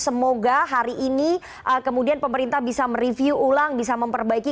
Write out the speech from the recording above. semoga hari ini kemudian pemerintah bisa mereview ulang bisa memperbaiki